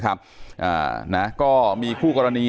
วันที่๑๒นี้